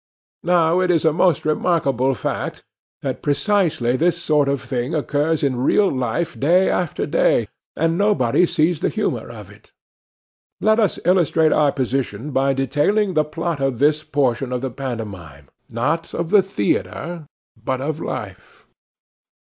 Now it is a most remarkable fact that precisely this sort of thing occurs in real life day after day, and nobody sees the humour of it. Let us illustrate our position by detailing the plot of this portion of the pantomime—not of the theatre, but of life.